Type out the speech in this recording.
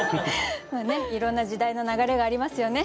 まあねいろんな時代の流れがありますよね。